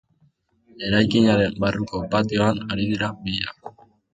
Eraikinaren barruko patioan ari dira bila.